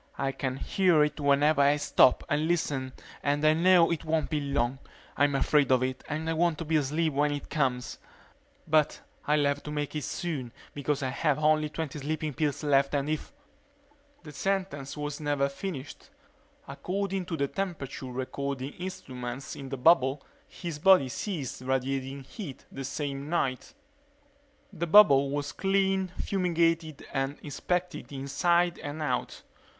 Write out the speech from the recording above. I can hear it whenever I stop and listen and I know it won't be long. I'm afraid of it and I want to be asleep when it comes. But I'll have to make it soon because I have only twenty sleeping pills left and if _ The sentence was never finished. According to the temperature recording instruments in the bubble his body ceased radiating heat that same night. The bubble was cleaned, fumigated, and inspected inside and out.